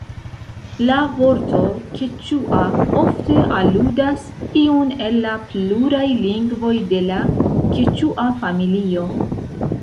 La vorto "keĉua" ofte aludas iun el la pluraj lingvoj de la keĉua familio.